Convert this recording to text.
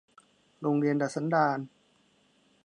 โรงเรียนดัดสันดาน